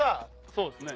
そうですね。